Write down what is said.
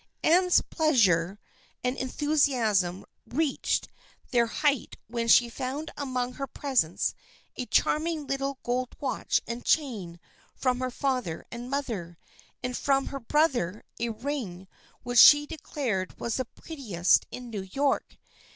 Anne's pleasure and enthusiasm reached their height when she found among her presents a charming little gold watch and chain from her father and mother, and from her brother a ring which she declared was the prettiest in New York.